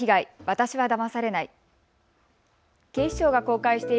私はだまされない。